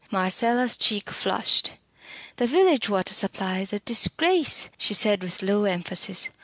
Marcella's cheek flushed. "The village water supply is a disgrace," she said with low emphasis.